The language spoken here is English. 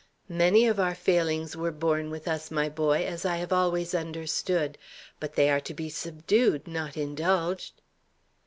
"Many of our failings were born with us, my boy, as I have always understood. But they are to be subdued; not indulged."